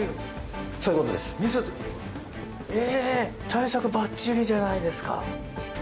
対策ばっちりじゃないですか。